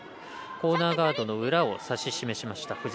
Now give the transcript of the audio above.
コーナーガードの裏を指し示しました。